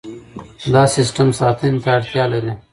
دا سیستم ساتنې ته اړتیا لري.